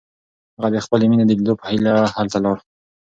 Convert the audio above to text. هغه د خپلې مینې د لیدو په هیله هلته لاړ.